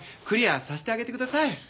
クリアさせてあげてください。